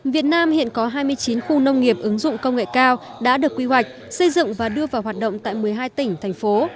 việt nam hiện có hai mươi chín khu nông nghiệp ứng dụng công nghệ cao đã được quy hoạch xây dựng và đưa vào hoạt động tại một mươi hai tỉnh thành phố